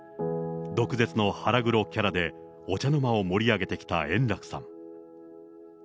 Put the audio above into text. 毒舌の腹黒キャラで、お茶の間を盛り上げてきた円楽さん。